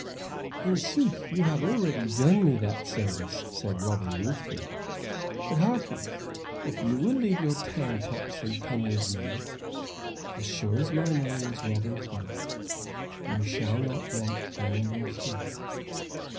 "In sooth you have already done me that service," said Robin, ruefully. "But, harkee, if you will leave your tanpots and come with me, as sure as my name is Robin Hood, you shall not want gold or fee."